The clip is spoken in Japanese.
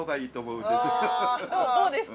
どうですか？